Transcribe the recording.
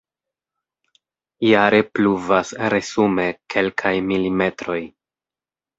Jare pluvas resume kelkaj mm.